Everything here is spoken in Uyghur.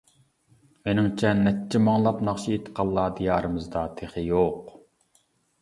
مېنىڭچە نەچچە مىڭلاپ ناخشا ئېيتقانلار دىيارىمىزدا تېخى يوق.